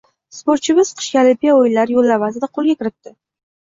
Sportchimiz qishki olimpiya o‘yinlari yo‘llanmasini qo‘lga kiritding